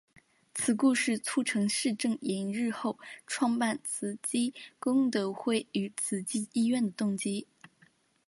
此故事促成释证严日后创办慈济功德会与慈济医院的动机。